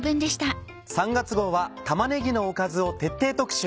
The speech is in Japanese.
３月号は玉ねぎのおかずを徹底特集！